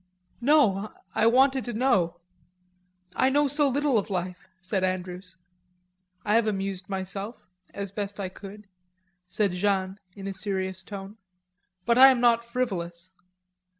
"No. I wanted to know. I know so little of life," said Andrews. "I have amused myself, as best I could," said Jeanne in a serious tone. "But I am not frivolous....